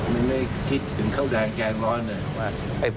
ไม่คิดถึงเข้าด้านแกงบ้านเลย